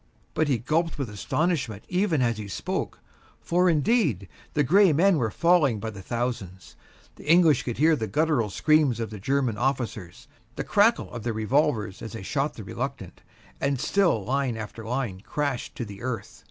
But he gulped with astonishment even as he spoke, for, indeed, the gray men were falling by the thousands. The English could hear the guttural scream of the German officers, the crackle of their revolvers as they shot the reluctant; and still line after line crashed to the earth.